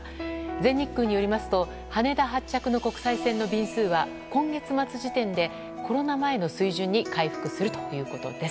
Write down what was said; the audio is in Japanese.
全日空によりますと羽田発着の国際線の便数は今月末時点でコロナ前の水準に回復するということです。